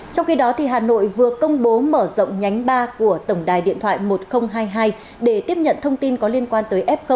trong khi đó hà nội vừa công bố mở rộng nhánh ba của tổng đài điện thoại một nghìn hai mươi hai để tiếp nhận thông tin có liên quan tới f